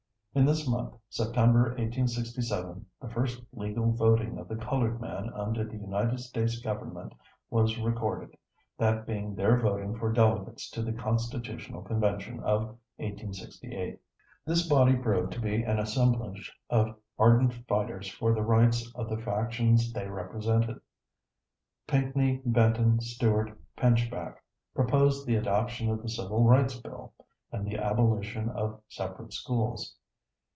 In this month, September, 1867, the first legal voting of the colored man under the United States Government was recorded, that being their voting for delegates to the Constitutional Convention of 1868. This body proved to be an assemblage of ardent fighters for the rights of the factions they represented. Pinckney Benton Stewart Pinchback proposed the adoption of the Civil Rights Bill, and the abolition of separate schools.